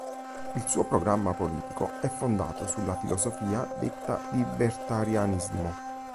Il suo programma politico è fondato sulla filosofia detta libertarianismo.